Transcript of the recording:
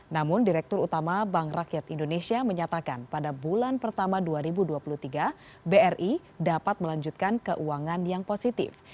namun direktur utama bank rakyat indonesia menyatakan pada bulan pertama dua ribu dua puluh tiga bri dapat melanjutkan keuangan yang positif